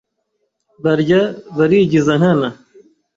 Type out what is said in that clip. Barya barigiza nkana